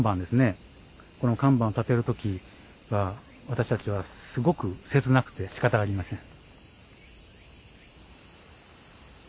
この看板を立てるときは私たちはすごく切なくて仕方がありません。